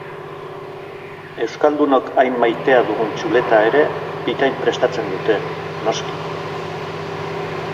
Euskaldunok hain maitea dugun txuleta ere bikain prestatzen dute, noski!